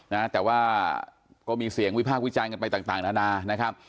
นะแต่ว่าก็มีเสียงวิพากษ์วิจารณ์กันไปต่างต่างนานานะครับ